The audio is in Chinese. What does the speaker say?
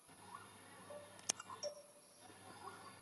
哈洛德二世与他的军队在约克的史丹福德桥之战获得胜利。